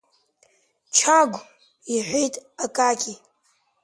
Чагә, — иҳәеит Акакьи.